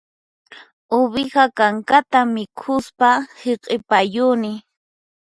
Uwiha kankata mikhuspa hiq'ipayuni